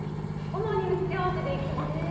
たまに打ち合わせで行きますよ。